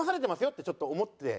よってちょっと思って。